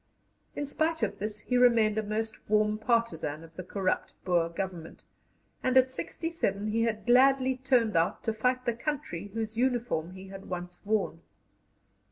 In spite of this he remained a most warm partisan of the corrupt Boer Government, and at sixty seven he had gladly turned out to fight the country whose uniform he had once worn.